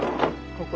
ここ！